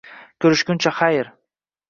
Ko'rishguncha xayr!